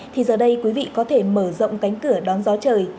thì giờ đây quý vị có thể mở rộng cánh cửa đón gió trời